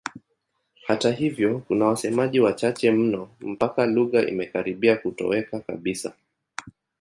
Hata hivyo kuna wasemaji wachache mno mpaka lugha imekaribia kutoweka kabisa.